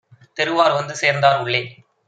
தெருவார் வந்து சேர்ந்தார் உள்ளே.